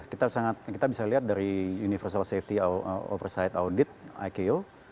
kita sangat kita bisa lihat dari universal safety overside audit iko